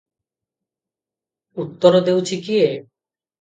ଉତ୍ତର ଦେଉଛି କିଏ?